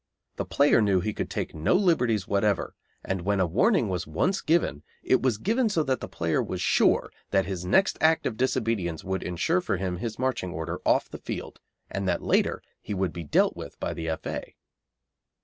The player knew he could take no liberties whatever, and when a warning was once given it was given so that the player was sure that his next act of disobedience would ensure for him his marching order off the field, and that later he would be dealt with by the F.A.